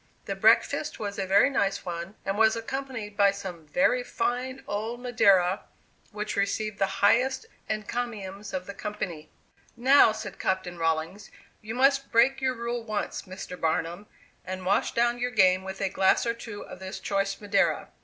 The breakfast was a very nice one, and was accompanied by some "very fine old Madeira," which received the highest encomiums of the company. "Now," said Captain Rawlings, "you must break your rule once, Mr. Barnum, and wash down your game with a glass or two of this choice Madeira.